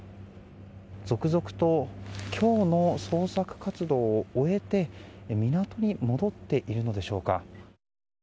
続々と今日の捜索活動を終えて港に戻っているのでしょうか。